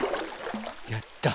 やった。